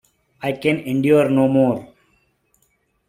I can endure no more.